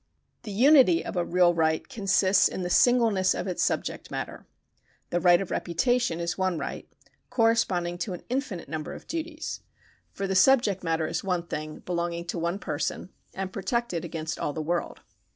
The unity of a real right consists in the singleness of its subject matter. The right of reputation is one right, corresponding to an in finite number of duties ; for the subject matter is one thing, belonging to one person, and protected against all the world.